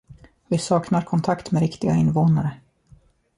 Vi saknar kontakt med riktiga invånare.